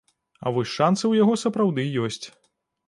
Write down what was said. А вось шанцы ў яго сапраўды ёсць.